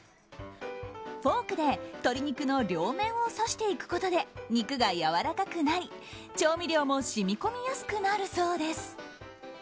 フォークで鶏肉の両面を刺していくことで肉がやわらかくなり調味料も染み込みやすくなるそうです。